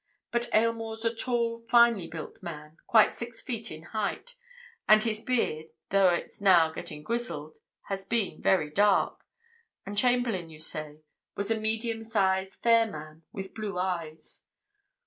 But Aylmore's a tall, finely built man, quite six feet in height, and his beard, though it's now getting grizzled, has been very dark, and Chamberlayne, you say, was a medium sized, fair man, with blue eyes."